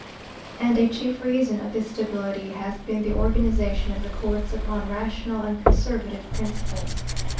And a chief reason of this stability has been the organization of the courts upon rational and conservative principles.